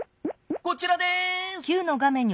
こちらです。